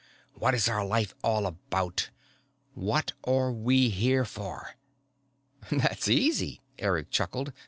What is our life all about? What are we here for?" "That's easy," Eric chuckled.